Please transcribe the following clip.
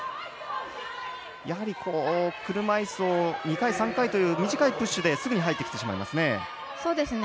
やはり、車いすを２回、３回という短いプッシュですぐに入ってきてしまいますね。